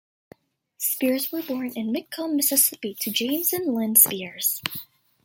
Spears was born in McComb, Mississippi, to James and Lynne Spears.